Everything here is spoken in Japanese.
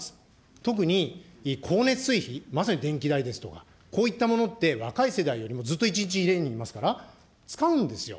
特に光熱水費、まさに電気代ですとか、こういったものって、若い世代よりもずっと一日、家にいますから、使うんですよ。